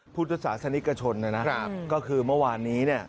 ผู้ทศาสนิกชนนะครับก็คือเมื่อวานนี้เนี่ย